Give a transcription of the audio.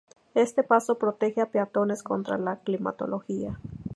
Este paso protege a peatones contra la climatología.